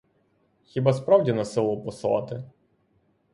Хіба справді на село послати?